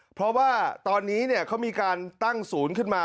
เพราะว่าตอนนี้เขามีการตั้งศูนย์ขึ้นมา